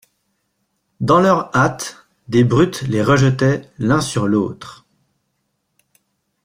Dans leur hâte, des brutes les rejetaient l'un sur l'autre.